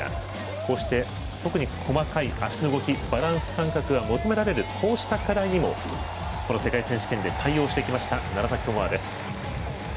こうして、特に細かい足の動きバランス感覚が求められるこうした課題にもこの世界選手権で対応してきました、楢崎智亜です。